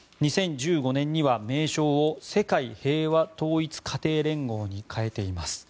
２０１５年には名称を世界平和統一家庭連合に変えています。